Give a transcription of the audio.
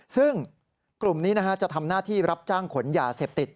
ซึ่งกลุ่มนี้จะทำหน้าที่รับจ้างขนยาเสพติด